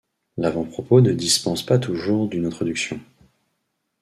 L’avant-propos ne dispense pas toujours d’une introduction.